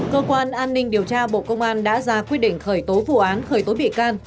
cơ quan an ninh điều tra bộ công an đã ra quyết định khởi tố vụ án khởi tố bị can